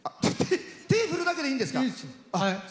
手を振るだけでいいんですか。